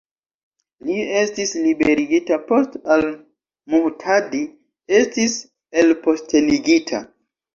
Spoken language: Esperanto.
Li estis liberigita post al-Muhtadi estis elpostenigita.